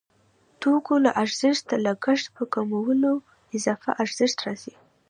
د توکو له ارزښت د لګښت په کمولو اضافي ارزښت راځي